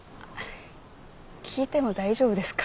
聞いても大丈夫ですか？